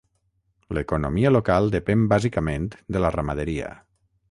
L'economia local depèn bàsicament de la ramaderia.